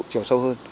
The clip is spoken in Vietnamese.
trèo sâu hơn